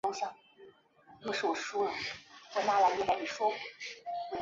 芒康山为金沙江与澜沧江的分水岭。